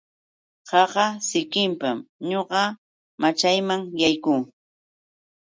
Qaqa sikinpam ñuqa machayman yaykuu.